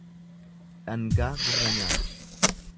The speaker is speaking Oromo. Dhangaa gurra nyaatu.